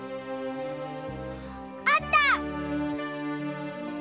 あった！